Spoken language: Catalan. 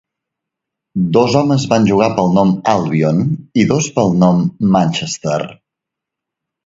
Dos homes van jugar pel nom "Albion" i dos pel nom "Manchester".